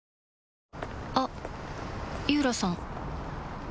あっ井浦さん